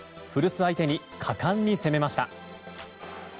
古巣相手に果敢に攻めました。